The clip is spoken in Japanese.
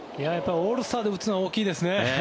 オールスターで打つのは大きいですね。